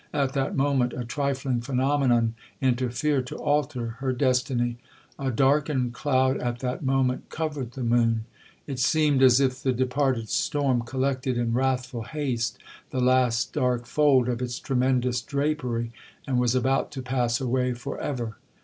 At that moment a trifling phenomenon interfered to alter her destiny. A darkened cloud at that moment covered the moon—it seemed as if the departed storm collected in wrathful haste the last dark fold of its tremendous drapery, and was about to pass away for ever.